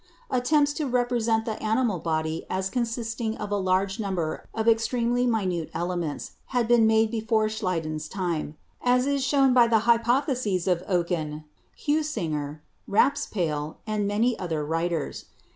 Attempts to represent the animal body as consisting of a large number of extremely minute elements had been made before Schleiden's time, as is shown by the hy potheses of Oken, Heusinger, Raspail, and many other writers.